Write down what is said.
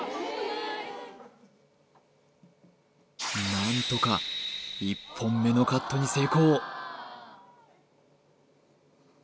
何とか１本目のカットに成功！